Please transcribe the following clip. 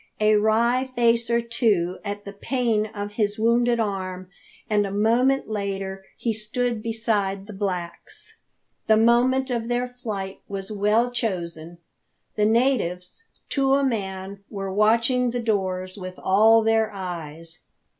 A wry face or two at the pain of his wounded arm, and a moment later he stood beside the blacks. The moment of their flight was well chosen. The natives, to a man, were watching the doors with all their eyes.